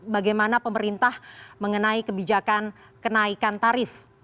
bagaimana pemerintah mengenai kebijakan kenaikan tarif